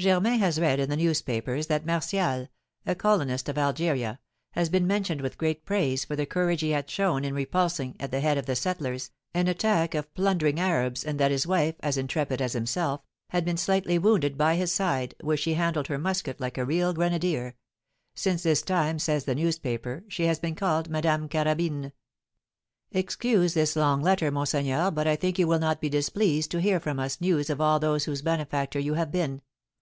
"Germain has read in the newspapers that Martial, a colonist of Algeria, has been mentioned with great praise for the courage he had shown in repulsing, at the head of the settlers, an attack of plundering Arabs, and that his wife, as intrepid as himself, had been slightly wounded by his side, where she handled her musket like a real grenadier; since this time, says the newspaper, she has been called Madame Carabine. "Excuse this long letter, monseigneur, but I think you will not be displeased to hear from us news of all those whose benefactor you have been.